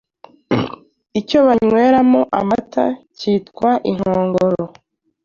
Icyo banyweramo Amata cyitwa Inkongoro